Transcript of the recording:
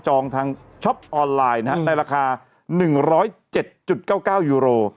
ทางช็อปออนไลน์ในราคา๑๐๗๙๙ยูโร